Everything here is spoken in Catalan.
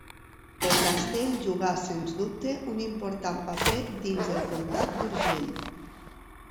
El castell jugà, sens dubte, un important paper dins el comtat d'Urgell.